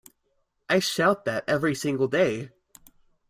I shout that every single day!